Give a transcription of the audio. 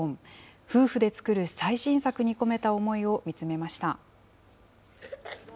夫婦で作る最新作に込めた思いを見つめました。